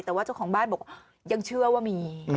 แต่ว่าเจ้าของบ้านบอกยังเชื่อว่ามี